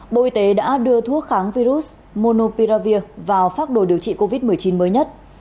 bộ y tế đã đưa thuốc kháng virus monopiravir vào phác đồ điều trị covid một mươi chín mới nhất